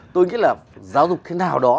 tôi nghĩ là giáo dục thế nào đó